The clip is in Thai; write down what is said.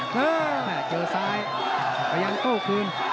แปกเจอซายแล้วก็ยังโตคลืม